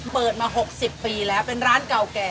เปิดมา๖๐ปีแล้วเป็นร้านเก่าแก่